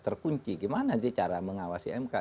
terkunci gimana sih cara mengawasi mk